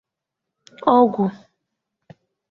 ọgwụ